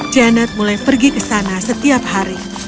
janet mulai pergi ke sana setiap hari